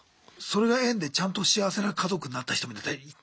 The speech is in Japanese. それが縁でちゃんと幸せな家族になった人もいたり。